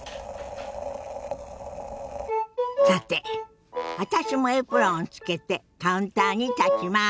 さて私もエプロンをつけてカウンターに立ちます。